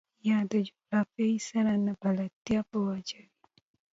يا د جغرافيې سره نه بلدتيا په وجه وي.